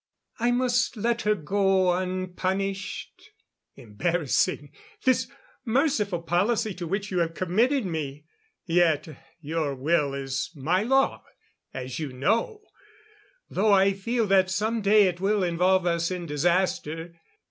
"I must let her go unpunished? Embarrassing, this merciful policy to which you have committed me! Yet your will is my law as you know though I feel that some day it will involve us in disaster....